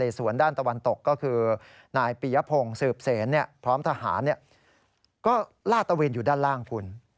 ส่วนด้านตะวันตกก็คือนายปียพงศ์สืบเซนพร้อมทหารก็ลาดตะเวนอยู่ด้านล่างคุณ